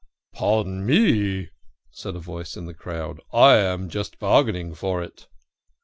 "" Pardon me," said a voice in the crowd, " I am just bar gaining for it."